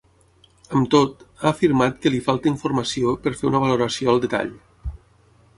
Amb tot, ha afirmat que “li falta informació” per fer una valoració al detall.